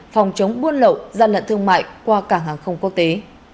phòng chống buôn lậu gian lận thương mại qua cảng hàng không quốc tế